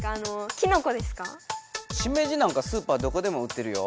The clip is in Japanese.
シメジなんかスーパーどこでも売ってるよ。